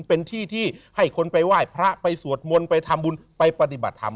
เป็นที่ที่ให้คนไปไหว้พระไปสวดมนต์ไปทำบุญไปปฏิบัติธรรม